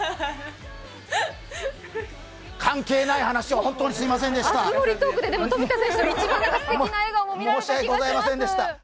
関係ない話を本当にすみませんでした。